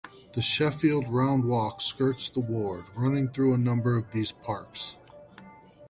The Sheffield Round Walk skirts the ward, running through a number of these parks.